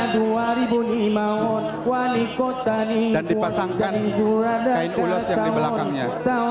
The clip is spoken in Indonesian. dan dipasangkan kain ulos yang di belakangnya